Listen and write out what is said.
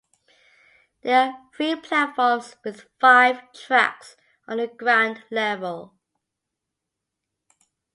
There are three platforms with five tracks on the ground level.